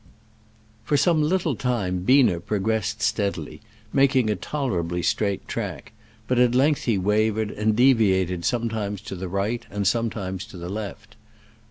For some little time Biener progress ed steadily, making a tolerably straight track, but at length he wavered, and deviated sometimes to the right and sometimes to the left.